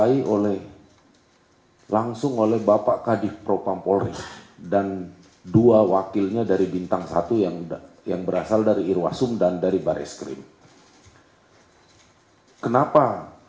di audit investigasi oleh mabespolri di mana tim mabespolri ini dikutuai